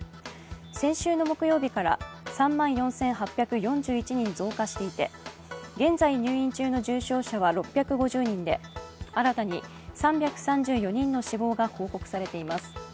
先週の木曜日から３万４８４１人増加していて、現在、入院中の重症者は６５０人で新たに３３４人の死亡が報告されています。